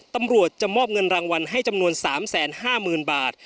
ตำรวจจะมอบเงินรางวัลให้จำนวน๓๕๐๐๐บาท